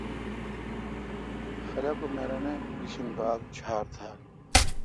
خلق ام اے رنے بھیشن بھاگ ڄھار تھال۔